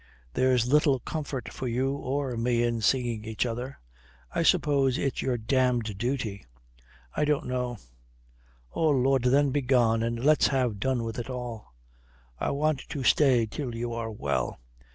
There's little comfort for you or me in seeing each other. I suppose it's your damned duty." "I don't know." "Oh Lud, then begone and let's have done with it all." "I want to stay till you are well."